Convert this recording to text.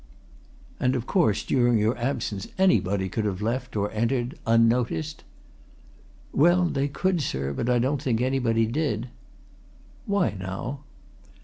"And, of course, during your absence anybody could have left or entered unnoticed?" "Well, they could, sir, but I don't think anybody did." "Why, now?"